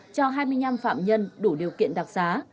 cho hai mươi năm phạm nhân đủ điều kiện đặc xá